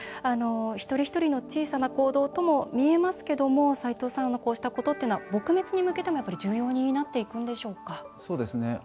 一人一人の小さな行動とも見えますけどもこうしたことっていうのは撲滅に向けても、やっぱり重要になっていくんでしょうか？